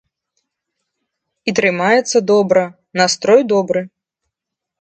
І трымаецца добра, настрой добры.